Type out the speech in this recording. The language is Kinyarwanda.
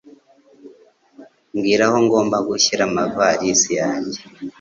Mbwira aho ngomba gushyira amavalisi yanjye.